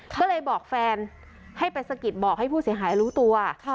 ก็เลยบอกแฟนให้ไปสะกิดบอกให้ผู้เสียหายรู้ตัว